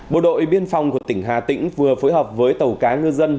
bộ đội biên phòng của tỉnh hà tĩnh vừa phối hợp với tàu cá ngư dân